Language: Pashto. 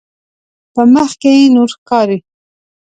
په مخ کې نور ښکاري.